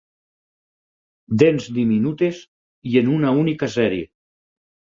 Dents diminutes i en una única sèrie.